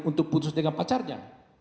untuk putus dengan pacarnya